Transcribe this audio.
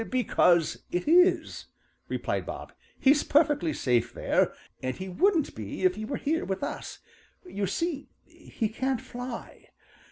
"Because it is," replied Bob. "He's perfectly safe there, and he wouldn't be if he were here with us. You see, he can't fly.